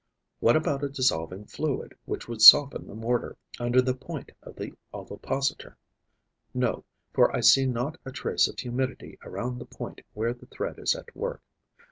What about a dissolving fluid which would soften the mortar under the point of the ovipositor? No, for I see not a trace of humidity around the point where the thread is at work.